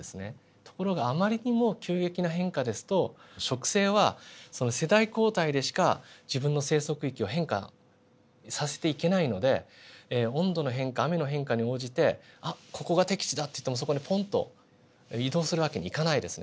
ところがあまりにも急激な変化ですと植生はその世代交代でしか自分の生息域を変化させていけないので温度の変化雨の変化に応じてあっここが適地だっていってもそこにポンと移動する訳にいかないですね。